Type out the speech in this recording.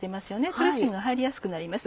ドレッシングが入りやすくなります。